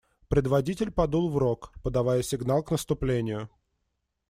Предводитель подул в рог, подавая сигнал к наступлению.